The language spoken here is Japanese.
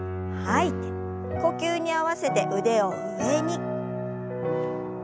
呼吸に合わせて腕を上に。